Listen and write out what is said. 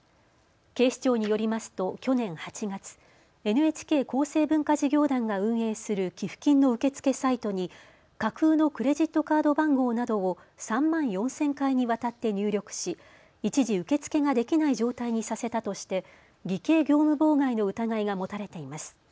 警視庁によりますと去年８月、ＮＨＫ厚生文化事業団が運営する寄付金の受付サイトに架空のクレジットカード番号などを３万４０００回にわたって入力し一時受け付けができない状態にさせたとして偽計業務妨害の疑いが持たれています。